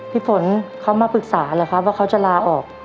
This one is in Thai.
พี่ฝนเขามาปรึกษาหรือครับว่าเขาจะลาออก